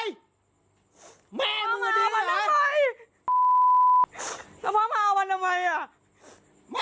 หนูก็ไม่อยากพูดหรอก